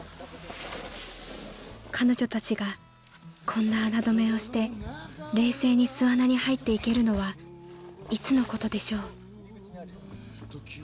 ［彼女たちがこんな穴ドメをして冷静に巣穴に入っていけるのはいつのことでしょう？］